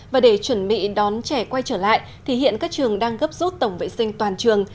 và để chuẩn bị đón trẻ quay trở lại thì hiện các trường đang gấp rút tổng vệ sinh toàn trường